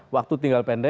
waktu tinggal penyusun